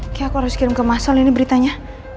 oke aku harus kirim ke mas soalnya ini beritanya